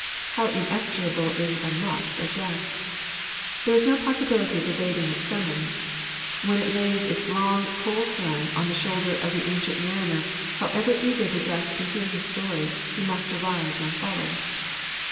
How inexorable is the "must" of death t There is no possibility of evading its summons. When it lays its long, cold hand on the shoulder of the Ancient Mariner, however eager the guests to hear his story, he must arise and follow.